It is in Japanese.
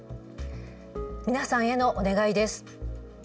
皆さんへのお願いです。